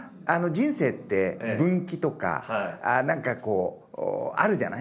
人生って分岐とか何かこうあるじゃない？